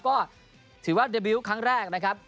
ก็ถือว่าเดบิวต์ครั้งแรกนะครับ